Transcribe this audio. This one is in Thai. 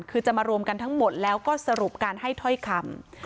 คือจะมารวมกันทั้งหมดแล้วก็สรุปการให้ถ้อยคำ